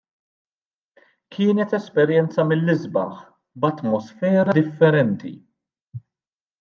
Kienet esperjenza mill-isbaħ, b'atmosfera differenti.